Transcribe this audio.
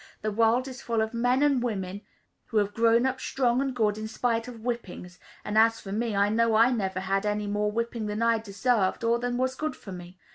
The world is full of men and women, who have grown up strong and good, in spite of whippings; and as for me, I know I never had any more whipping than I deserved, or than was good for me."